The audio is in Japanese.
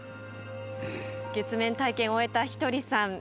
月面体験を終えたひとりさん。